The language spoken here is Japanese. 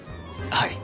はい。